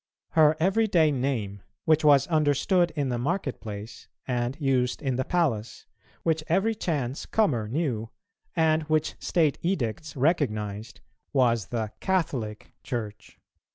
Her every day name, which was understood in the marketplace and used in the palace, which every chance comer knew, and which state edicts recognized, was the "Catholic" Church.